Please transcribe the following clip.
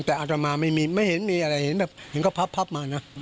แต่อารมณ์ไม่มีไม่เห็นมีอะไรเห็นแบบเห็นเขาพับพับมานะ